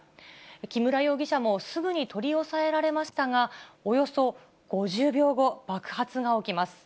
木村容疑者もすぐに取り押さえられましたが、およそ５０秒後、爆発が起きます。